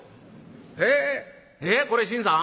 ええっこれ信さん？